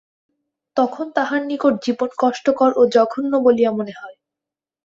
তখন তাহার নিকট জীবন কষ্টকর ও জঘন্য বলিয়া মনে হয়।